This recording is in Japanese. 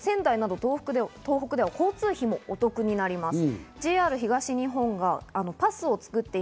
さらに画面の右側、仙台など東北では交通費もお得になります。